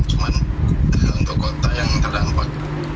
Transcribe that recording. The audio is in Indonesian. cuma untuk kota yang terdampak